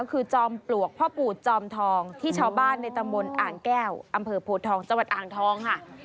คือจอมปลวกพ่อปู่จอมทองที่ชาวบ้านในตำบลอ่างแก้วอำเภอโพทองจังหวัดอ่างทองค่ะ